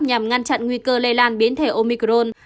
nhằm ngăn chặn nguy cơ lây lan biến thể omicron